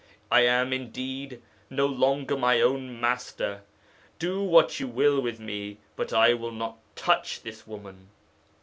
"I am, indeed, no longer my own master; do what you will with me, but I will not touch this woman."